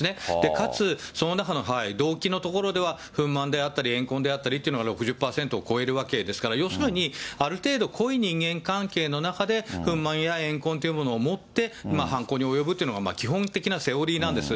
かつその中の動機のところでは、憤まんであったり怨恨であったりというのが６０％を超えるわけですから、要するに、ある程度濃い人間関係の中で、憤懣や怨恨というものを持って、犯行に及ぶというのが基本的なセオリーなんです。